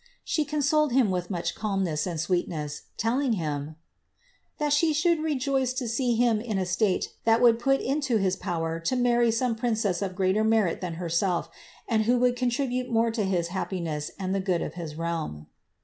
''* She consolei) him with much calmness and sweetness, telling him ^^ that she should rejoice to see him in a state that would put it into his power to many some princess of greater merit than herself, and who would contribute more to his happiness and the good of his realm."